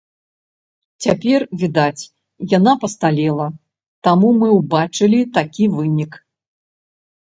Цяпер, відаць, яна пасталела, таму мы ўбачылі такі вынік.